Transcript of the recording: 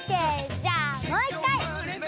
じゃあもう１回！